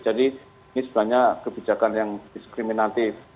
ini sebenarnya kebijakan yang diskriminatif